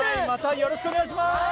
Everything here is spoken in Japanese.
またよろしくお願いします！